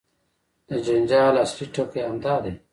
د جنجال اصلي ټکی همدا دی.